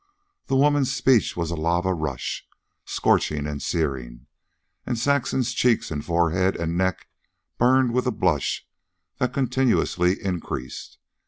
The woman's speech was a lava rush, scorching and searing; and Saxon's cheeks, and forehead, and neck burned with a blush that continuously increased.